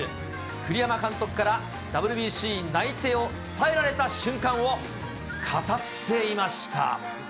栗山監督から、ＷＢＣ内定を伝えられた瞬間を語っていました。